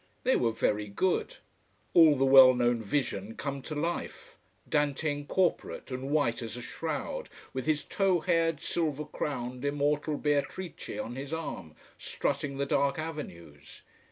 They were very good: all the well known vision come to life, Dante incorporate, and white as a shroud, with his tow haired, silver crowned, immortal Beatrice on his arm, strutting the dark avenues.